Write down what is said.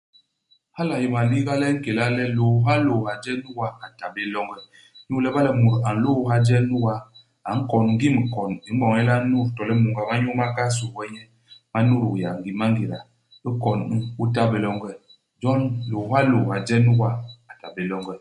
Hala a yé maliga le i nkéla le lôôhalôôha je nuga a ta bé longe. Inyu le iba le bo mut a nlôôha je nuga, a nkon ngim kon i m'boñ nye le a n'nut, to le mônga ma nyuu ma kahal sôghe nye, ma n'nuduk yak ngim i mangéda. U kon u, u ta bé longe. Jon lôôhalôôha je nuga a ta bé longe.